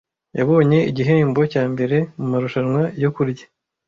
Yabonye igihembo cya mbere mumarushanwa yo kurya.